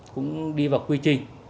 cũng đi vào quy trình